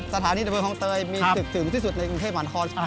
สถานีดับเพลิงคลองเตยมีศึกถึงที่สุดในกรุงเทพหมานคร